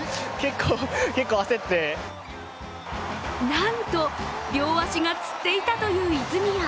なんと両足がつっていたという泉谷。